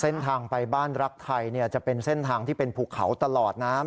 เส้นทางไปบ้านรักไทยจะเป็นเส้นทางที่เป็นภูเขาตลอดน้ำ